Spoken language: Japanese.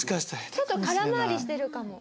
ちょっと空回りしてるかも。